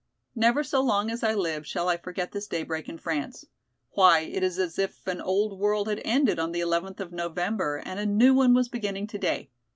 Never so long as I live shall I forget this daybreak in France! Why, it is as if an old world had ended on the eleventh of November and a new one was beginning today!